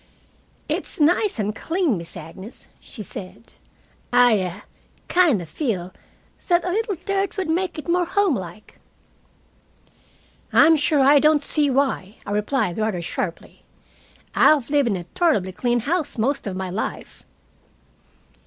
"It's nice and clean, Miss Agnes," she said. "A I kind of feel that a little dirt would make it more homelike." "I'm sure I don't see why," I replied, rather sharply, "I've lived in a tolerably clean house most of my life."